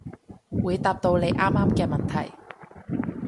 會答到你啱啱嘅問題